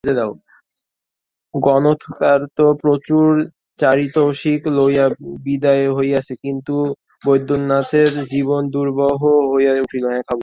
গণৎকার তো প্রচুর পারিতোষিক লইয়া বিদায় হইয়াছেন, কিন্তু বৈদ্যনাথের জীবন দুর্বহ হইয়া উঠিল।